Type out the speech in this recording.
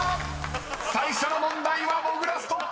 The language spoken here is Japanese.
［最初の問題はもぐらストップ］